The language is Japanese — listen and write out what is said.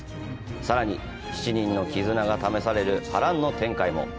さらに７人の絆が試される波乱の展開も！